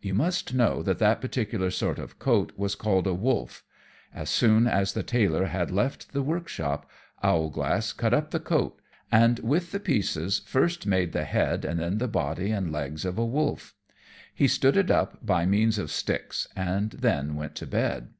You must know, that that particular sort of coat was called a wolf. As soon as the Tailor had left the workshop, Owlglass cut up the coat, and with the pieces first made the head, and then the body and legs of a wolf. He stood it up by means of sticks, and then went to bed.